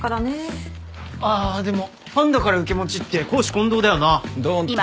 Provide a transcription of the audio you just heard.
ああでもファンだから受け持ちって公私混同だよな。